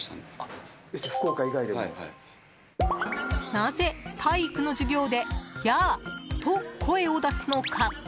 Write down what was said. なぜ体育の授業でヤーと声を出すのか？